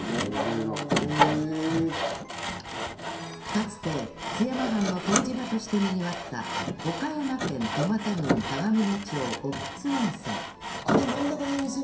かつて津山藩の湯治場としてにぎわった岡山県苫田郡鏡野町奥津温泉あれ真ん中が温泉？